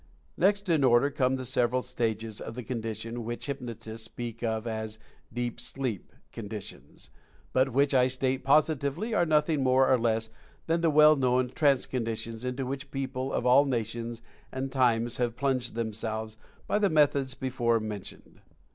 Next in order come the several stages of the con dition which hypnotists speak of as "deep sleep" con ditions, but which I state positively are nothing more or less than the well known "trance" conditions into which people of all nations and times have plunged themselves by the methods before mentioned.